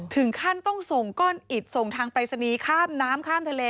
ถึงขั้นต้องส่งก้อนอิดส่งทางปรายศนีย์ข้ามน้ำข้ามทะเล